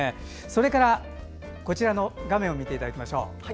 それから、こちらの画面を見ていただきましょう。